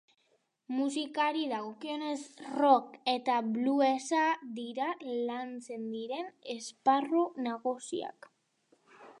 Musikari dagokionez, rock eta bluesa dira lantzen diren esparru nagusiak.